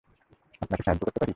আপনাকে সাহায্য করতে পারি?